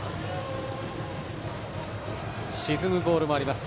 沈むボールもあります。